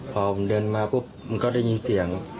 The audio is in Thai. พอผมเดินมาปุ๊บมันก็ได้ยินเสียง